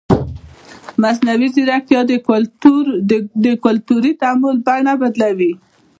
مصنوعي ځیرکتیا د کلتوري تعامل بڼه بدلوي.